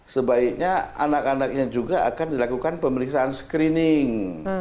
sebaiknya anak anaknya juga akan dilakukan pemeriksaan screening